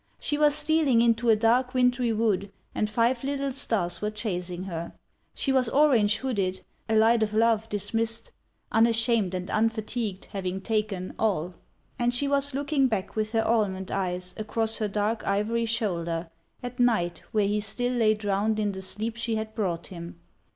She was stealing into a dark wintry wood, and five little stars were chasing her. She was orange hooded, a light o' love dismissed—unashamed and unfatigued, having taken—all. And she was looking back with her almond eyes, across her dark ivory shoulder, at Night where he still lay drowned in the sleep she had brought him.